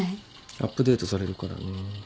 アップデートされるからね。